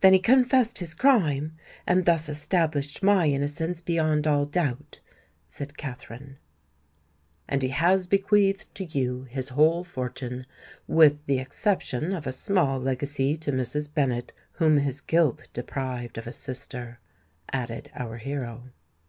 "Then he confessed his crime, and thus established my innocence beyond all doubt?" said Katherine. "And he has bequeathed to you his whole fortune, with the exception of a small legacy to Mrs. Bennet, whom his guilt deprived of a sister," added our hero.